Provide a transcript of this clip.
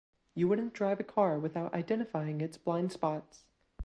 You wouldn’t drive a car without identifying its blind spots.